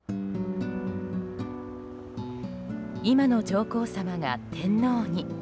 今の上皇さまが天皇に。